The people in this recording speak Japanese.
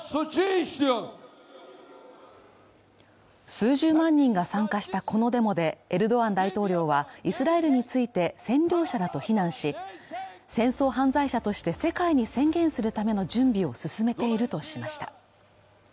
数十万人が参加したこのデモでエルドアン大統領はイスラエルについて占領者だと非難し、戦争犯罪者として世界に宣言するための準備を進めているとしました。